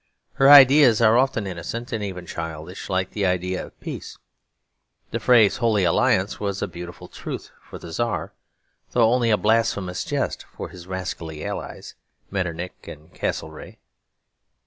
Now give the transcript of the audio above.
Her ideas are often innocent and even childish; like the idea of Peace. The phrase Holy Alliance was a beautiful truth for the Czar, though only a blasphemous jest for his rascally allies, Metternich and Castlereagh.